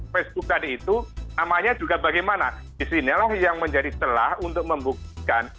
facebook tadi itu namanya juga bagaimana disinilah yang menjadi celah untuk membuktikan